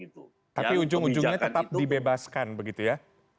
tapi ujung ujungnya tetap dibebaskan begitu ya